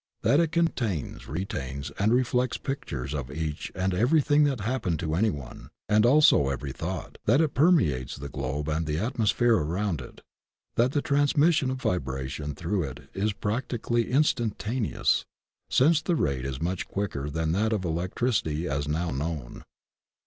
That it contains, retains, and reflects pictures of each and every thing that happened to anyone, and also every thought; that it permeates the globe and the atmosphere around it; that the transmission of vibra tion through it is practically instantaneous, since the rate is much quicker than that of electricity as now known.